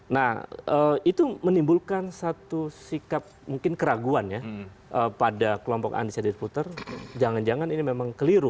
nah itu menimbulkan satu sikap mungkin keraguan ya pada kelompok undecided voter jangan jangan ini memang keliru